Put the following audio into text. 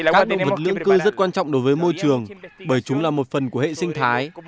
các động vật lưỡng cư rất quan trọng đối với môi trường bởi chúng là một phần của hệ sinh thái